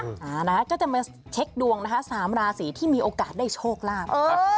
ก็จะมาเช็คดวง๓ราศีที่มีโอกาสได้โชคลาภ